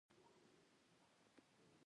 زه درې شپېته ورځې وروسته خپل امتحان لرم.